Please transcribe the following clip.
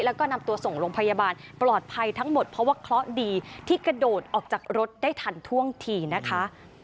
แล้วก็นำตัวส่งโรงพยาบาลปลอดภัยทั้งหมดเพราะว่าเคราะห์ดีที่กระโดดออกจากรถได้ทันท่วงทีนะคะ